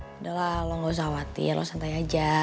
udah lah lo gak usah khawatir lo santai aja